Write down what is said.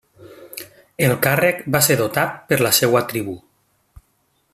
El càrrec va ser dotat per la seva tribu.